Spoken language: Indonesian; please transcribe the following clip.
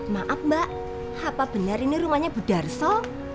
maaf mbak apa benar ini rumahnya bu darso